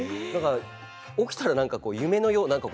起きたら夢のよう。